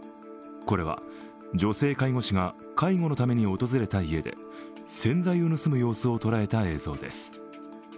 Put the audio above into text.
これは、女性介護士が介護のために訪れた家で洗剤を盗む様子を捉えた映像です。